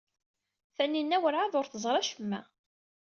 Taninna werɛad ur teẓri acemma.